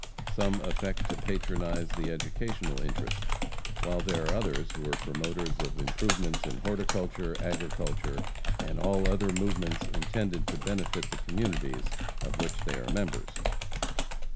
Some affect to patronize the educational interests, while there are others who are promoters of improvements in horticulture, agriculture, and all other movements intended to benefit the communities of which they are members.